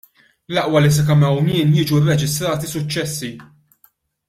L-aqwa li sakemm hawn jien jiġu rreġistrati suċċessi!